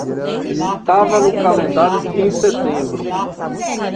Estava no calendário em setembro.